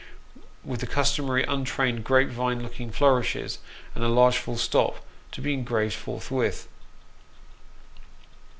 with the customary untrained grape vine looking flourishes, and a large full stop, to be engraved forthwith.